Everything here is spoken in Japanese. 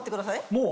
もう？